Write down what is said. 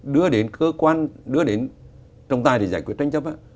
đưa đến cơ quan đưa đến trọng tài để giải quyết tranh chấp á